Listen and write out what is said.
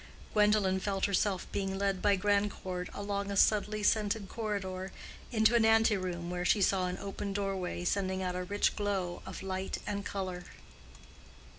Gwendolen felt herself being led by Grandcourt along a subtly scented corridor, into an ante room where she saw an open doorway sending out a rich glow of light and color.